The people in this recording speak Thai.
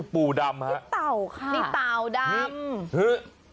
ปู่ดำคือ